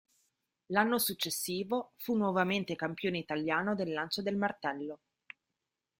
L'anno successivo fu nuovamente campione italiano del lancio del martello.